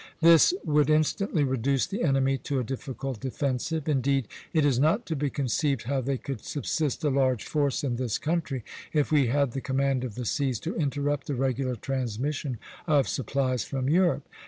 This would instantly reduce the enemy to a difficult defensive.... Indeed, it is not to be conceived how they could subsist a large force in this country, if we had the command of the seas to interrupt the regular transmission of supplies from Europe.